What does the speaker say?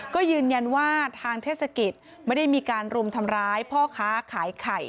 ก็ยืนยันว่าทางเทศกิจไม่ได้มีการรุมทำร้ายพ่อค้าขายไข่